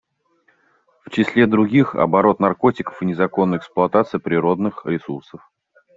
В числе других — оборот наркотиков и незаконная эксплуатация природных ресурсов.